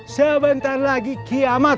sebentar lagi kiamat